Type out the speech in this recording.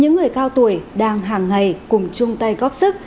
những người cao tuổi đang hàng ngày cùng chung tay góp sức